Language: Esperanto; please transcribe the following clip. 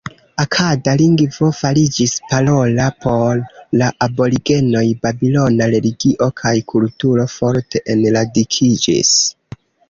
Akada lingvo fariĝis parola por la aborigenoj, babilona religio kaj kulturo forte enradikiĝis.